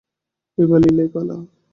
এইবার লীলার পালা।